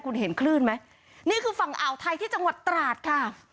คุณเห็นคลื่นไหมนี่คือฝั่งอ่าวไทยที่จังหวัดตราดค่ะ